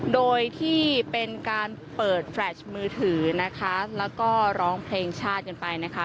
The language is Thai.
โดยที่เป็นการเปิดแฟลชมือถือนะคะแล้วก็ร้องเพลงชาติกันไปนะคะ